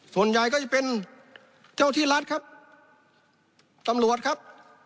ส่วนใหญ่ก็จะเป็นเจ้าที่รัฐครับตำรวจครับ